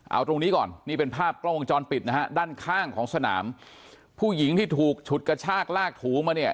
เอาตรงนี้ก่อนนี่เป็นภาพกล้องวงจรปิดนะฮะด้านข้างของสนามผู้หญิงที่ถูกฉุดกระชากลากถูมาเนี่ย